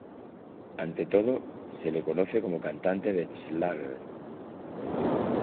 Ante todo, se le conoce como cantante de Schlager.